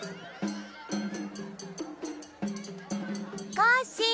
コッシー！